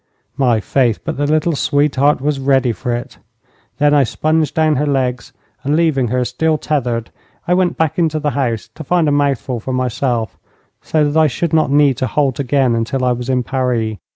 My faith, but the little sweetheart was ready for it. Then I sponged down her legs, and leaving her still tethered I went back into the house to find a mouthful for myself, so that I should not need to halt again until I was in Paris.